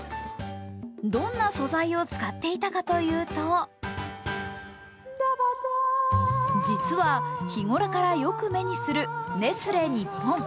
どんな素材を使っていたかというと実は、日頃からよく目にするネスレ日本。